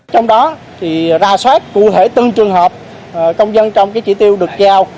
trong đó thì ra soát cụ thể từng trường hợp công dân trong cái chỉ tiêu được giao